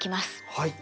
はい。